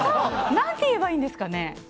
何て言えばいいんですかね。